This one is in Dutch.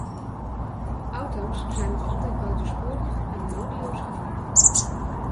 Auto's zijn nog altijd buitensporig en nodeloos gevaarlijk.